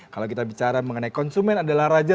kalau kita bicara mengenai konsumen adalah raja